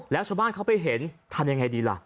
แล้วชาวบ้านเขาไปเห็นทำยังไงดีล่ะ